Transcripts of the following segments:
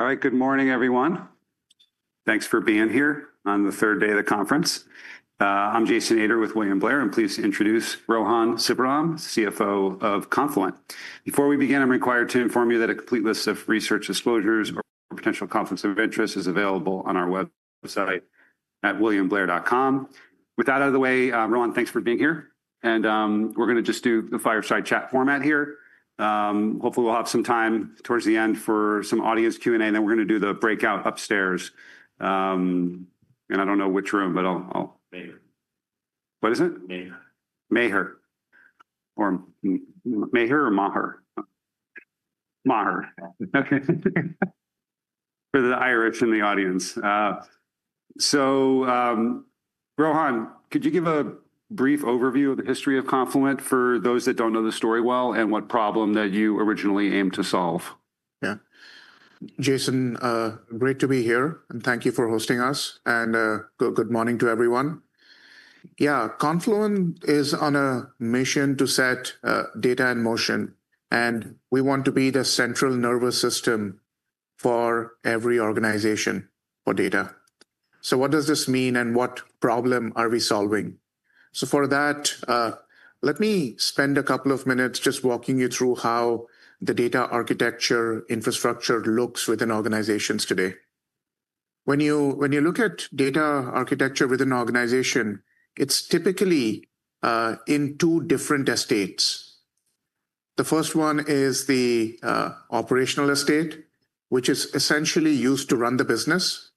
All right, good morning, everyone. Thanks for being here on the third day of the conference. I'm Jason Ader with William Blair, and please introduce Rohan Sivaram, CFO of Confluent. Before we begin, I'm required to inform you that a complete list of research disclosures or potential conflicts of interest is available on our website at williamblair.com. With that out of the way, Rohan, thanks for being here. We're going to just do the fireside chat format here. Hopefully, we'll have some time towards the end for some audience Q&A, and then we're going to do the breakout upstairs. I don't know which room, but I'll— Maher. What is it? Maher. Maher. Or Maher or Maher? Maher. Okay. For the Irish in the audience. Rohan, could you give a brief overview of the history of Confluent for those that do not know the story well and what problem that you originally aimed to solve? Yeah. Jason, great to be here, and thank you for hosting us. Good morning to everyone. Yeah, Confluent is on a mission to set data in motion, and we want to be the central nervous system for every organization for data. What does this mean, and what problem are we solving? For that, let me spend a couple of minutes just walking you through how the data architecture infrastructure looks within organizations today. When you look at data architecture within an organization, it's typically in two different estates. The first one is the operational estate, which is essentially used to run the business.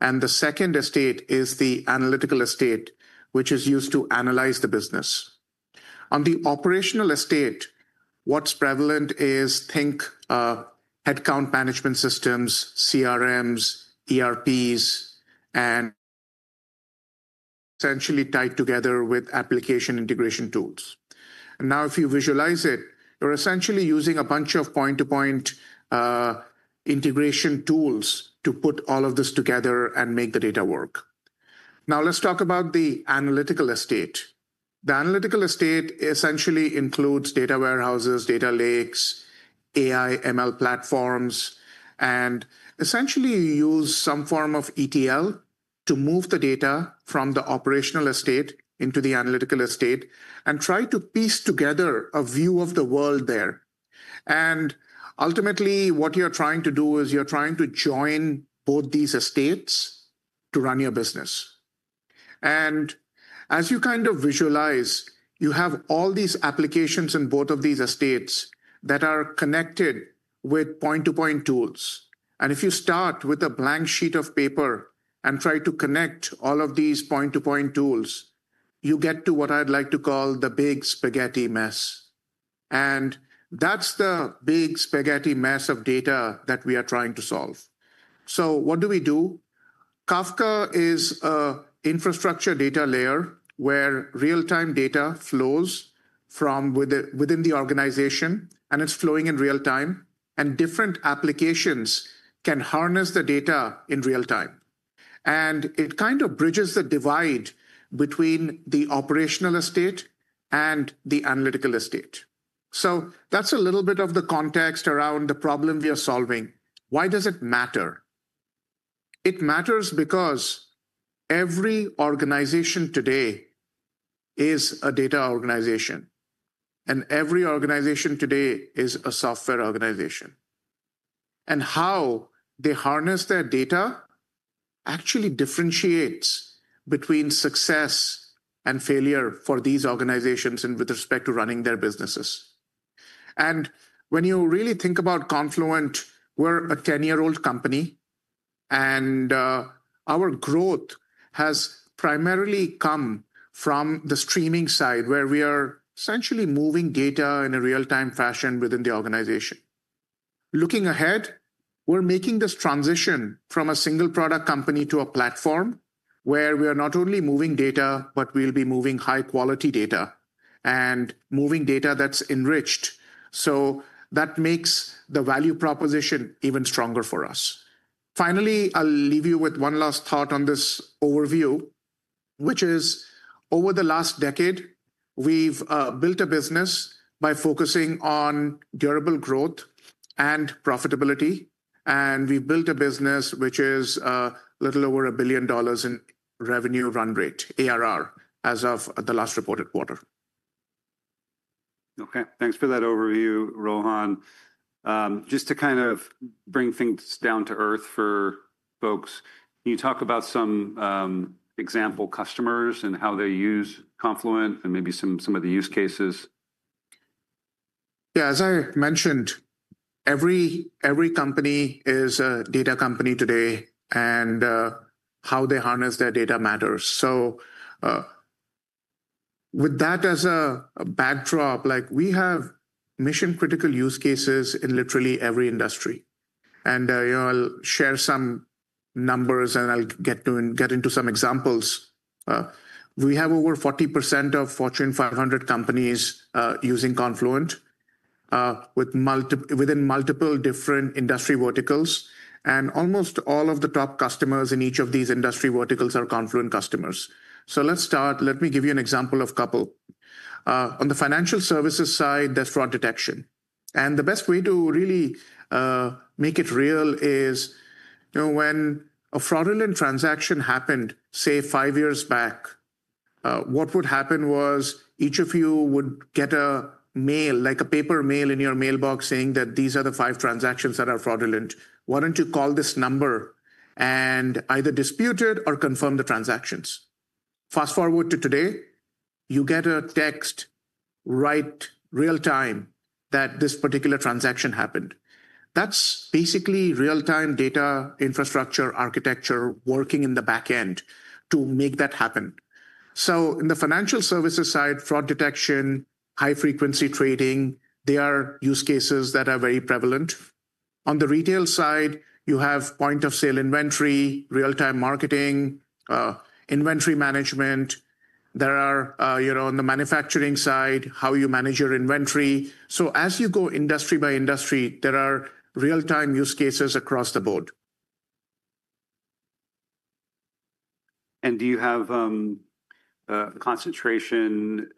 The second estate is the analytical estate, which is used to analyze the business. On the operational estate, what's prevalent is, think headcount management systems, CRMs, ERPs, and essentially tied together with application integration tools. Now, if you visualize it, you're essentially using a bunch of point-to-point integration tools to put all of this together and make the data work. Let's talk about the analytical estate. The analytical estate essentially includes data warehouses, data lakes, AI/ML platforms, and essentially uses some form of ETL to move the data from the operational estate into the analytical estate and try to piece together a view of the world there. Ultimately, what you're trying to do is you're trying to join both these estates to run your business. As you kind of visualize, you have all these applications in both of these estates that are connected with point-to-point tools. If you start with a blank sheet of paper and try to connect all of these point-to-point tools, you get to what I'd like to call the big spaghetti mess. That is the big spaghetti mess of data that we are trying to solve. What do we do? Kafka is an infrastructure data layer where real-time data flows from within the organization, and it is flowing in real time. Different applications can harness the data in real time. It kind of bridges the divide between the operational estate and the analytical estate. That is a little bit of the context around the problem we are solving. Why does it matter? It matters because every organization today is a data organization, and every organization today is a software organization. How they harness their data actually differentiates between success and failure for these organizations with respect to running their businesses. When you really think about Confluent, we're a 10-year-old company, and our growth has primarily come from the streaming side, where we are essentially moving data in a real-time fashion within the organization. Looking ahead, we're making this transition from a single-product company to a platform where we are not only moving data, but we'll be moving high-quality data and moving data that's enriched. That makes the value proposition even stronger for us. Finally, I'll leave you with one last thought on this overview, which is, over the last decade, we've built a business by focusing on durable growth and profitability. We've built a business which is a little over $1 billion in revenue run rate, ARR, as of the last reported quarter. Okay. Thanks for that overview, Rohan. Just to kind of bring things down to earth for folks, can you talk about some example customers and how they use Confluent and maybe some of the use cases? Yeah. As I mentioned, every company is a data company today, and how they harness their data matters. With that as a backdrop, we have mission-critical use cases in literally every industry. I'll share some numbers, and I'll get into some examples. We have over 40% of Fortune 500 companies using Confluent within multiple different industry verticals. Almost all of the top customers in each of these industry verticals are Confluent customers. Let's start. Let me give you an example of a couple. On the financial services side, there's fraud detection. The best way to really make it real is when a fraudulent transaction happened, say, five years back, what would happen was each of you would get a mail, like a paper mail in your mailbox, saying that these are the five transactions that are fraudulent. Why don't you call this number and either dispute it or confirm the transactions? Fast forward to today, you get a text right real time that this particular transaction happened. That's basically real-time data infrastructure architecture working in the back end to make that happen. In the financial services side, fraud detection, high-frequency trading, they are use cases that are very prevalent. On the retail side, you have point-of-sale inventory, real-time marketing, inventory management. In the manufacturing side, how you manage your inventory. As you go industry by industry, there are real-time use cases across the board. Do you have a concentration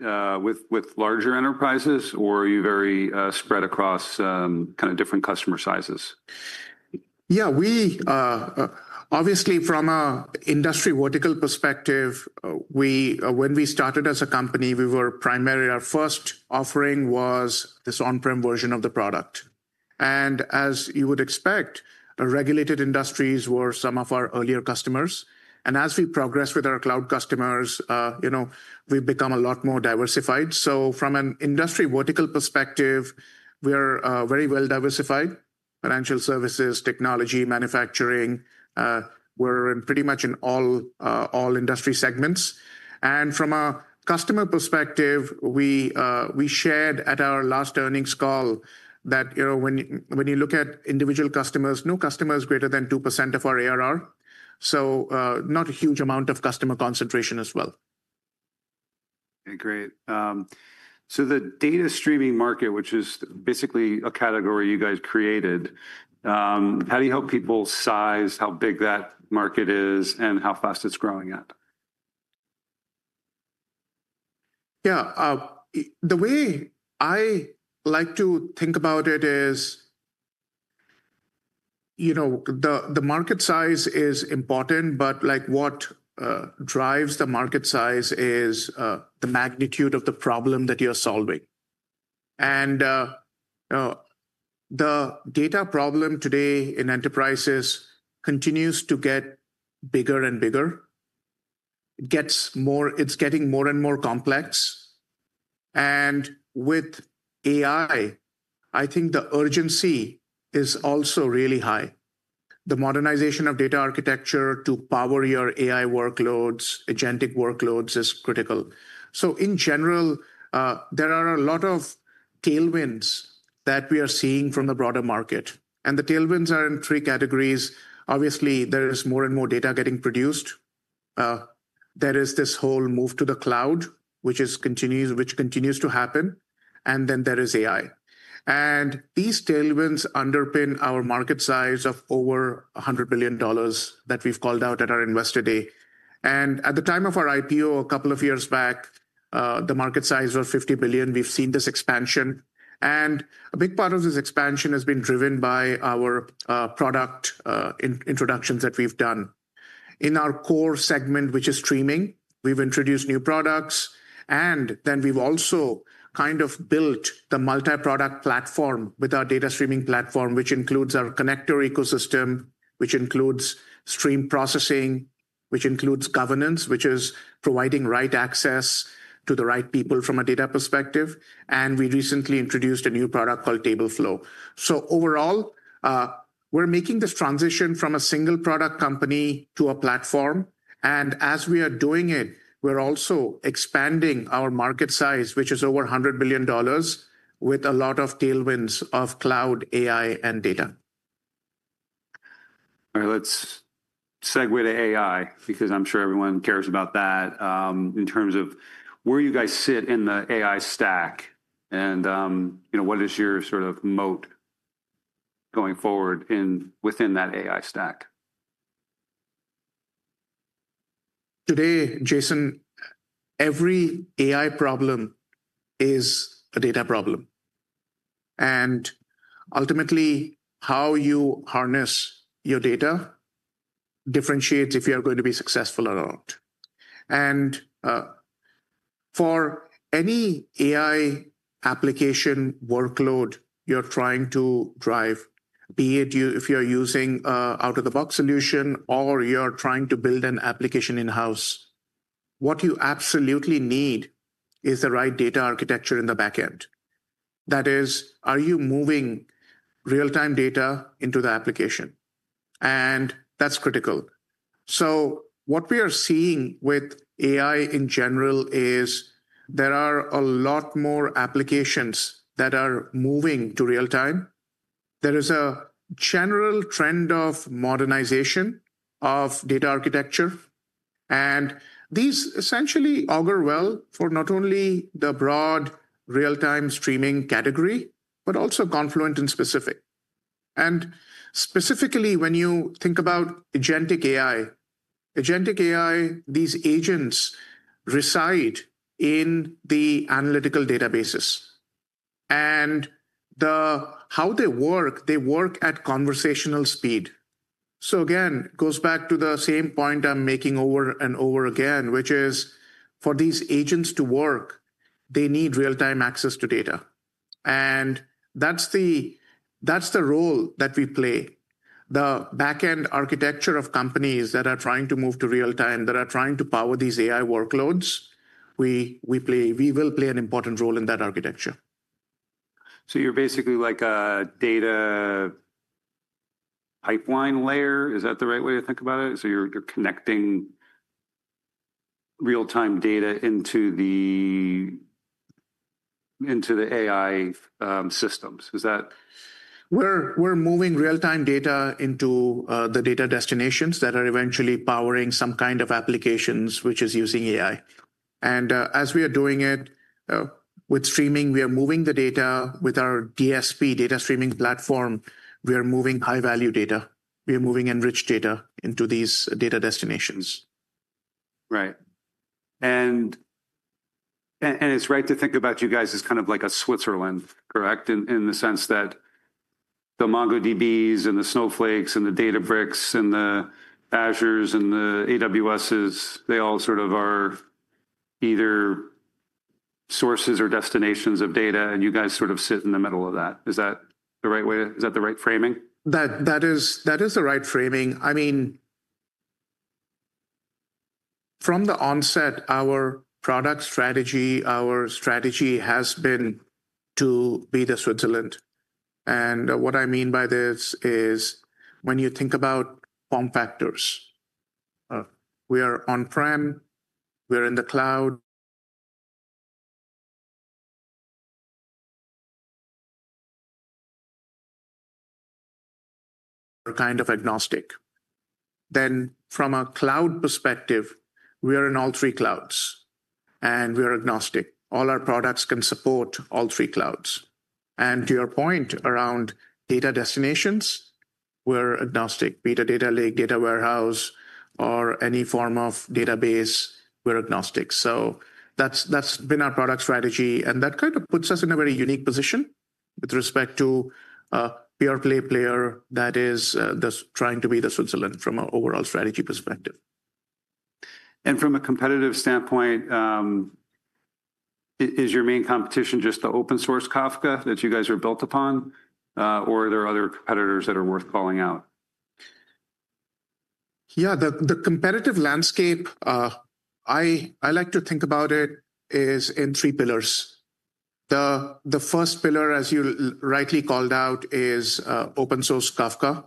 with larger enterprises, or are you very spread across kind of different customer sizes? Yeah. Obviously, from an industry vertical perspective, when we started as a company, our first offering was this on-prem version of the product. As you would expect, regulated industries were some of our earlier customers. As we progressed with our cloud customers, we've become a lot more diversified. From an industry vertical perspective, we are very well diversified: financial services, technology, manufacturing. We're pretty much in all industry segments. From a customer perspective, we shared at our last earnings call that when you look at individual customers, no customer is greater than 2% of our ARR. Not a huge amount of customer concentration as well. Okay. Great. So the data streaming market, which is basically a category you guys created, how do you help people size how big that market is and how fast it's growing at? Yeah. The way I like to think about it is the market size is important, but what drives the market size is the magnitude of the problem that you're solving. And the data problem today in enterprises continues to get bigger and bigger. It's getting more and more complex. With AI, I think the urgency is also really high. The modernization of data architecture to power your AI workloads, agentic workloads, is critical. In general, there are a lot of tailwinds that we are seeing from the broader market. The tailwinds are in three categories. Obviously, there is more and more data getting produced. There is this whole move to the cloud, which continues to happen. Then there is AI. These tailwinds underpin our market size of over $100 billion that we've called out at our Investor Day. At the time of our IPO a couple of years back, the market size was $50 billion. We have seen this expansion. A big part of this expansion has been driven by our product introductions that we have done. In our core segment, which is streaming, we have introduced new products. We have also kind of built the multi-product platform with our data streaming platform, which includes our connector ecosystem, which includes stream processing, which includes governance, which is providing right access to the right people from a data perspective. We recently introduced a new product called Tableflow. Overall, we are making this transition from a single-product company to a platform. As we are doing it, we are also expanding our market size, which is over $100 billion, with a lot of tailwinds of cloud, AI, and data. All right. Let's segue to AI, because I'm sure everyone cares about that, in terms of where you guys sit in the AI stack. What is your sort of moat going forward within that AI stack? Today, Jason, every AI problem is a data problem. Ultimately, how you harness your data differentiates if you're going to be successful or not. For any AI application workload you're trying to drive, be it if you're using an out-of-the-box solution or you're trying to build an application in-house, what you absolutely need is the right data architecture in the back end. That is, are you moving real-time data into the application? That's critical. What we are seeing with AI in general is there are a lot more applications that are moving to real time. There is a general trend of modernization of data architecture. These essentially augur well for not only the broad real-time streaming category, but also Confluent in specific. Specifically, when you think about agentic AI, agentic AI, these agents reside in the analytical databases. They work at conversational speed. Again, it goes back to the same point I'm making over and over again, which is for these agents to work, they need real-time access to data. That's the role that we play. The back-end architecture of companies that are trying to move to real time, that are trying to power these AI workloads, we will play an important role in that architecture. So you're basically like a data pipeline layer. Is that the right way to think about it? You're connecting real-time data into the AI systems. Is that? We're moving real-time data into the data destinations that are eventually powering some kind of applications which is using AI. As we are doing it with streaming, we are moving the data with our DSP, Data Streaming Platform. We are moving high-value data. We are moving enriched data into these data destinations. Right. And it's right to think about you guys as kind of like Switzerland, correct, in the sense that the MongoDBs and the Snowflakes and the Databricks and the Azures and the AWSs, they all sort of are either sources or destinations of data. And you guys sort of sit in the middle of that. Is that the right way? Is that the right framing? That is the right framing. I mean, from the onset, our product strategy, our strategy has been to be the Switzerland. What I mean by this is when you think about form factors, we are on-prem. We are in the cloud. We're kind of agnostic. From a cloud perspective, we are in all three clouds. We are agnostic. All our products can support all three clouds. To your point around data destinations, we're agnostic. Be it a data lake, data warehouse, or any form of database, we're agnostic. That has been our product strategy. That kind of puts us in a very unique position with respect to a pure-play player that is trying to be the Switzerland from an overall strategy perspective. From a competitive standpoint, is your main competition just the open-source Kafka that you guys are built upon, or are there other competitors that are worth calling out? Yeah. The competitive landscape, I like to think about it as in three pillars. The first pillar, as you rightly called out, is open-source Kafka.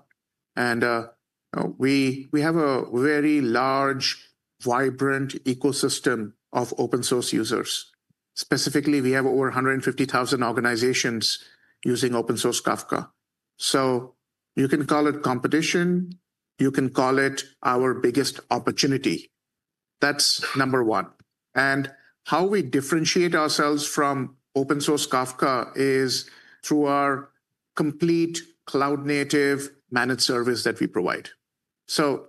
We have a very large, vibrant ecosystem of open-source users. Specifically, we have over 150,000 organizations using open-source Kafka. You can call it competition. You can call it our biggest opportunity. That is number one. How we differentiate ourselves from open-source Kafka is through our complete cloud-native managed service that we provide.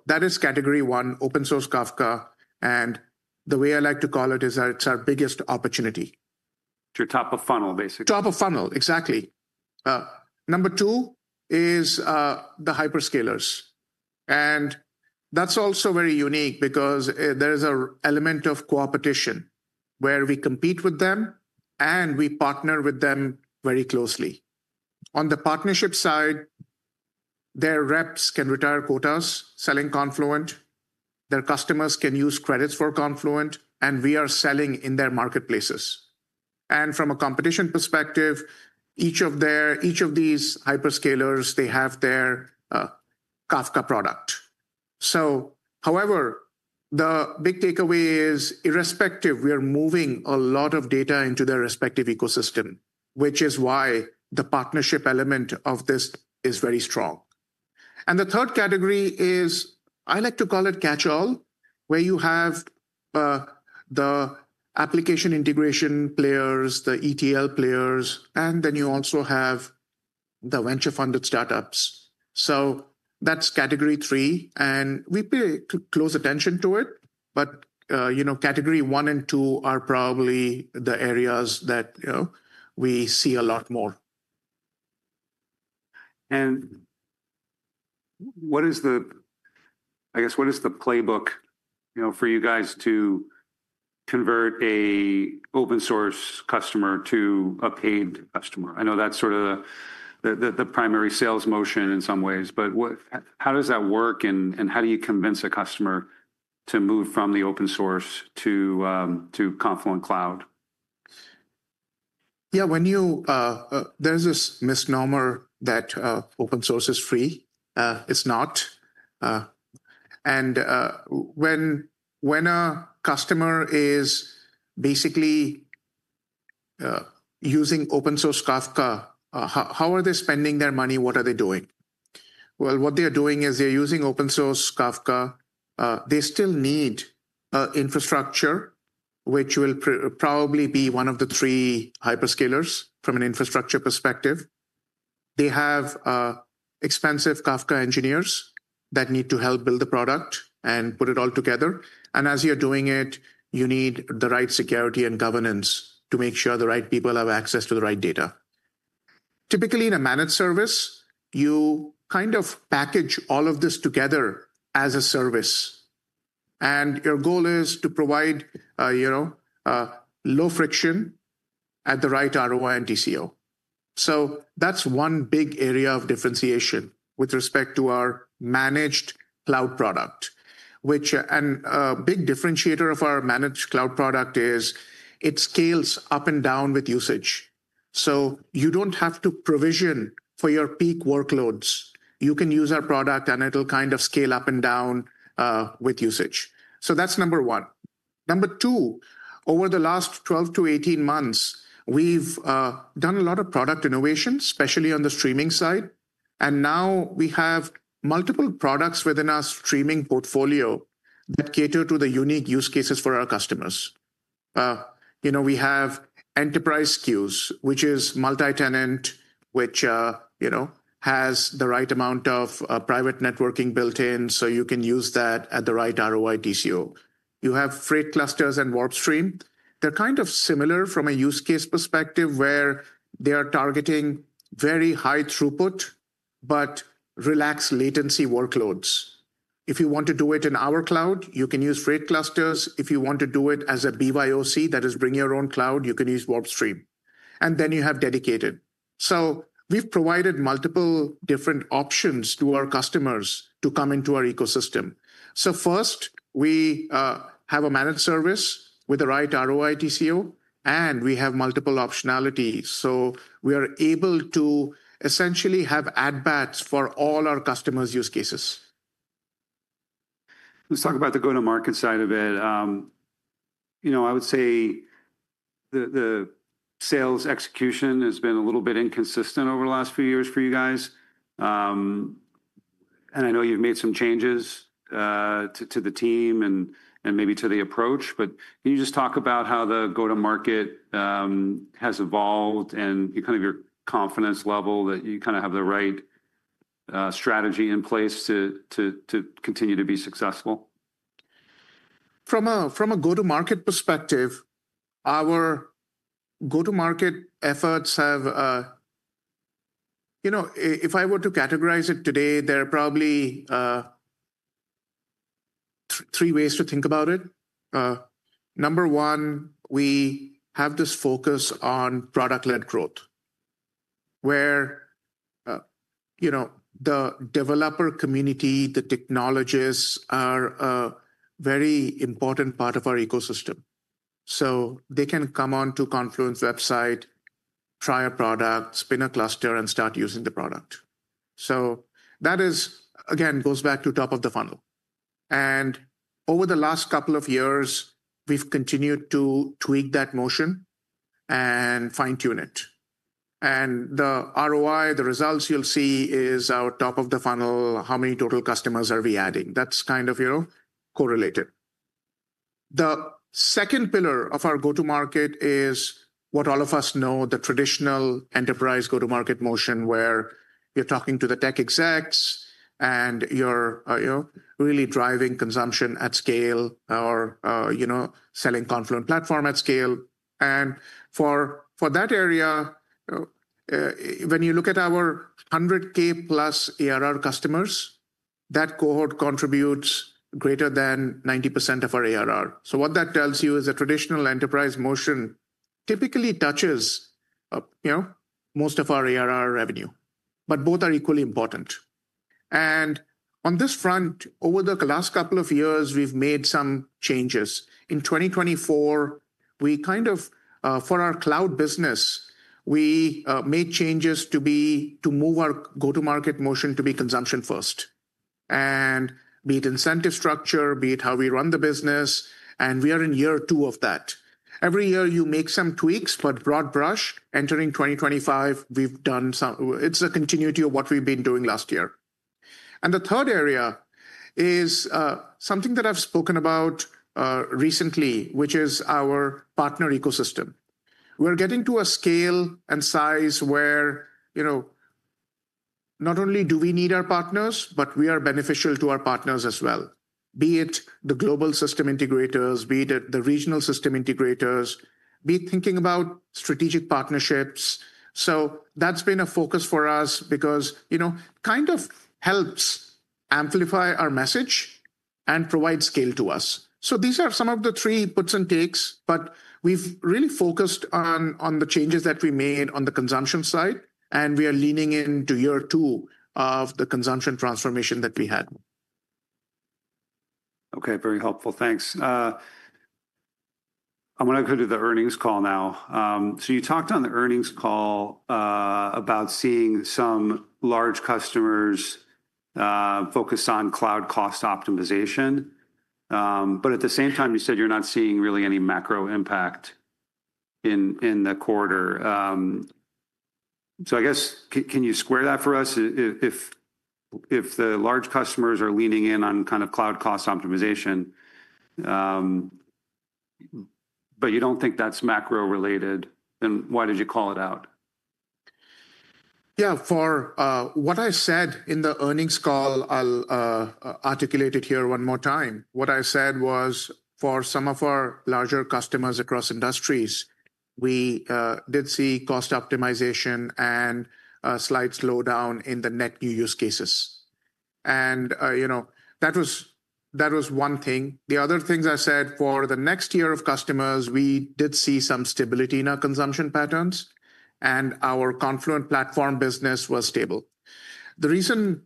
That is category one, open-source Kafka. The way I like to call it is it's our biggest opportunity. To your top of funnel, basically. Top of funnel, exactly. Number two is the hyperscalers. That is also very unique because there is an element of coopetition where we compete with them, and we partner with them very closely. On the partnership side, their reps can retire quotas selling Confluent. Their customers can use credits for Confluent, and we are selling in their marketplaces. From a competition perspective, each of these hyperscalers, they have their Kafka product. However, the big takeaway is irrespective, we are moving a lot of data into their respective ecosystem, which is why the partnership element of this is very strong. The third category is I like to call it catch-all, where you have the application integration players, the ETL players, and then you also have the venture-funded startups. That is category three. We pay close attention to it. Category one and two are probably the areas that we see a lot more. I guess, what is the playbook for you guys to convert an open-source customer to a paid customer? I know that's sort of the primary sales motion in some ways. How does that work, and how do you convince a customer to move from the open-source to Confluent Cloud? Yeah. There is this misnomer that open-source is free. It is not. And when a customer is basically using open-source Kafka, how are they spending their money? What are they doing? What they are doing is they are using open-source Kafka. They still need infrastructure, which will probably be one of the three hyperscalers from an infrastructure perspective. They have expensive Kafka engineers that need to help build the product and put it all together. As you are doing it, you need the right security and governance to make sure the right people have access to the right data. Typically, in a managed service, you kind of package all of this together as a service. Your goal is to provide low friction at the right ROI and TCO. That is one big area of differentiation with respect to our managed cloud product. A big differentiator of our managed cloud product is it scales up and down with usage. You do not have to provision for your peak workloads. You can use our product, and it will kind of scale up and down with usage. That is number one. Number two, over the last 12-18 months, we have done a lot of product innovations, especially on the streaming side. Now we have multiple products within our streaming portfolio that cater to the unique use cases for our customers. We have enterprise SKUs, which is multi-tenant, which has the right amount of private networking built in, so you can use that at the right ROI, TCO. You have Freight Clusters and WarpStream. They are kind of similar from a use case perspective where they are targeting very high throughput but relaxed latency workloads. If you want to do it in our cloud, you can use Freight Clusters. If you want to do it as a BYOC, that is Bring Your Own Cloud, you can use WarpStream. Then you have dedicated. We have provided multiple different options to our customers to come into our ecosystem. First, we have a managed service with the right ROI, TCO, and we have multiple optionalities. We are able to essentially have add-backs for all our customers' use cases. Let's talk about the go-to-market side of it. I would say the sales execution has been a little bit inconsistent over the last few years for you guys. I know you've made some changes to the team and maybe to the approach. Can you just talk about how the go-to-market has evolved and kind of your confidence level that you kind of have the right strategy in place to continue to be successful? From a go-to-market perspective, our go-to-market efforts have, if I were to categorize it today, there are probably three ways to think about it. Number one, we have this focus on product-led growth, where the developer community, the technologists, are a very important part of our ecosystem. They can come on to Confluent's website, try a product, spin a cluster, and start using the product. That, again, goes back to top of the funnel. Over the last couple of years, we've continued to tweak that motion and fine-tune it. The ROI, the results you'll see, is our top of the funnel. How many total customers are we adding? That's kind of correlated. The second pillar of our go-to-market is what all of us know, the traditional enterprise go-to-market motion, where you're talking to the tech execs and you're really driving consumption at scale or selling Confluent Platform at scale. For that area, when you look at our 100,000+ ARR customers, that cohort contributes greater than 90% of our ARR. What that tells you is a traditional enterprise motion typically touches most of our ARR revenue. Both are equally important. On this front, over the last couple of years, we've made some changes. In 2024, for our cloud business, we made changes to move our go-to-market motion to be consumption-first. Be it incentive structure, be it how we run the business. We are in year two of that. Every year, you make some tweaks, but broad brush, entering 2025, we've done some, it's a continuity of what we've been doing last year. The third area is something that I've spoken about recently, which is our partner ecosystem. We're getting to a scale and size where not only do we need our partners, but we are beneficial to our partners as well, be it the global system integrators, be it the regional system integrators, be it thinking about strategic partnerships. That's been a focus for us because it kind of helps amplify our message and provide scale to us. These are some of the three puts and takes. We've really focused on the changes that we made on the consumption side. We are leaning into year two of the consumption transformation that we had. OK, very helpful. Thanks. I want to go to the earnings call now. You talked on the earnings call about seeing some large customers focus on cloud cost optimization. At the same time, you said you're not seeing really any macro impact in the quarter. I guess, can you square that for us? If the large customers are leaning in on kind of cloud cost optimization, but you don't think that's macro-related, why did you call it out? Yeah. For what I said in the earnings call, I'll articulate it here one more time. What I said was for some of our larger customers across industries, we did see cost optimization and a slight slowdown in the net new use cases. That was one thing. The other things I said, for the next tier of customers, we did see some stability in our consumption patterns. Our Confluent Platform business was stable. The reason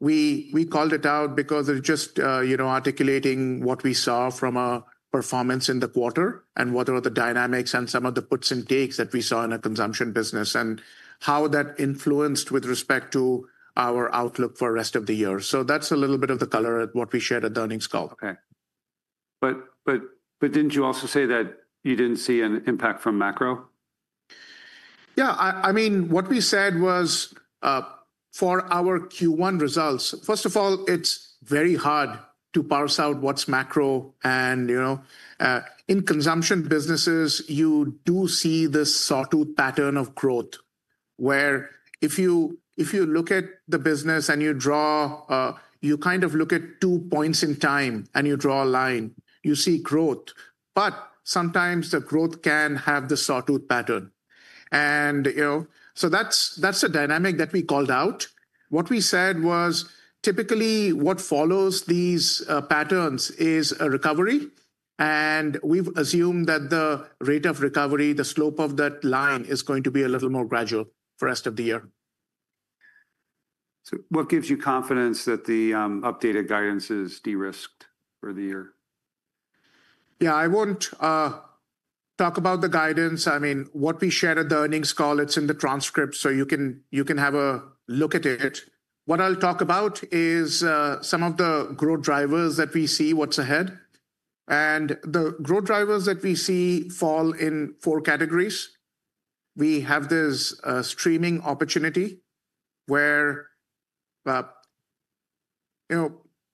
we called it out is because it is just articulating what we saw from our performance in the quarter and what are the dynamics and some of the puts and takes that we saw in our consumption business and how that influenced with respect to our outlook for the rest of the year. That is a little bit of the color of what we shared at the earnings call. OK. Did you also say that you didn't see an impact from macro? Yeah. I mean, what we said was for our Q1 results, first of all, it's very hard to parse out what's macro. In consumption businesses, you do see this sawtooth pattern of growth, where if you look at the business and you draw, you kind of look at two points in time and you draw a line, you see growth. Sometimes the growth can have the sawtooth pattern. That's a dynamic that we called out. What we said was typically what follows these patterns is a recovery. We've assumed that the rate of recovery, the slope of that line, is going to be a little more gradual for the rest of the year. What gives you confidence that the updated guidance is de-risked for the year? Yeah, I won't talk about the guidance. I mean, what we shared at the earnings call, it's in the transcript, so you can have a look at it. What I'll talk about is some of the growth drivers that we see what's ahead. The growth drivers that we see fall in four categories. We have this streaming opportunity where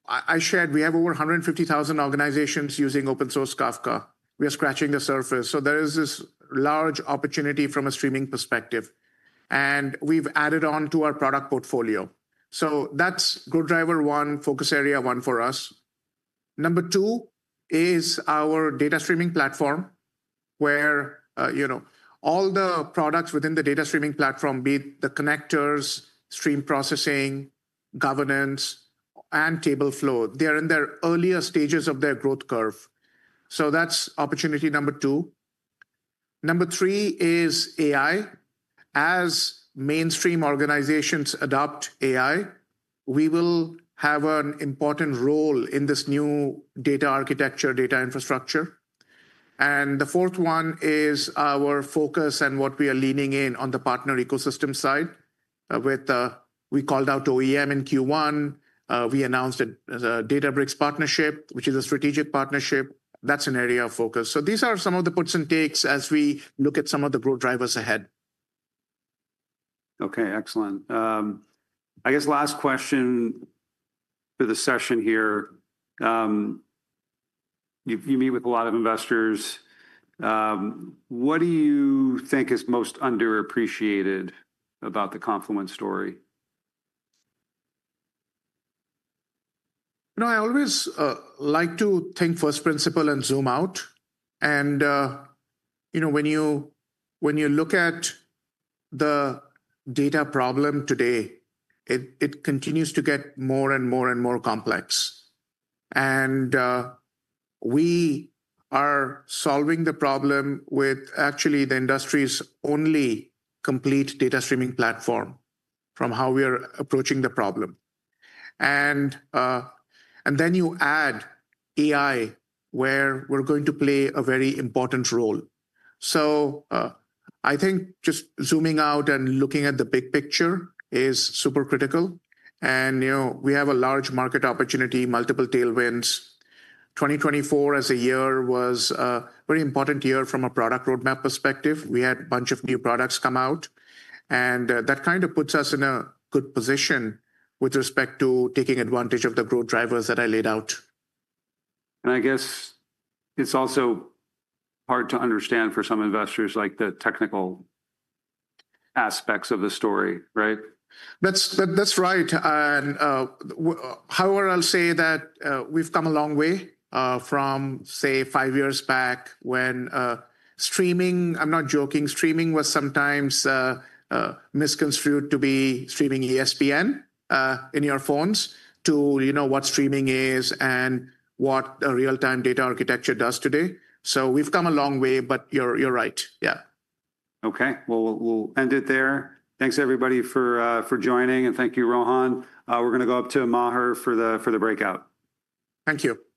I shared we have over 150,000 organizations using open-source Kafka. We are scratching the surface. There is this large opportunity from a streaming perspective. We've added on to our product portfolio. That's growth driver one, focus area one for us. Number two is our data streaming platform, where all the products within the data streaming platform, be it the Connectors, Stream Processing, Governance, and Tableflow, they are in their earlier stages of their growth curve. That's opportunity number two. Number three is AI. As mainstream organizations adopt AI, we will have an important role in this new data architecture, data infrastructure. The fourth one is our focus and what we are leaning in on the partner ecosystem side. We called out OEM in Q1. We announced a Databricks partnership, which is a strategic partnership. That is an area of focus. These are some of the puts and takes as we look at some of the growth drivers ahead. OK, excellent. I guess last question for the session here. You meet with a lot of investors. What do you think is most underappreciated about the Confluent story? I always like to think first principle and zoom out. When you look at the data problem today, it continues to get more and more and more complex. We are solving the problem with actually the industry's only complete data streaming platform from how we are approaching the problem. You add AI, where we're going to play a very important role. I think just zooming out and looking at the big picture is super critical. We have a large market opportunity, multiple tailwinds. 2024 as a year was a very important year from a product roadmap perspective. We had a bunch of new products come out. That kind of puts us in a good position with respect to taking advantage of the growth drivers that I laid out. I guess it's also hard to understand for some investors like the technical aspects of the story, right? That's right. However, I'll say that we've come a long way from, say, five years back when streaming—I'm not joking—streaming was sometimes misconstrued to be streaming ESPN in your phones to what streaming is and what a real-time data architecture does today. We've come a long way. You're right. Yeah. OK, we'll end it there. Thanks, everybody, for joining. Thank you, Rohan. We're going to go up to Maher for the breakout. Thank you.